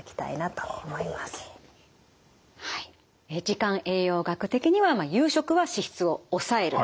時間栄養学的には夕食は脂質を抑える。